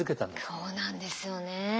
そうなんですよね。